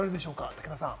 武田さん。